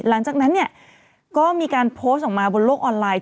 หลังจากนั้นเนี่ยก็มีการโพสต์ออกมาบนโลกออนไลน์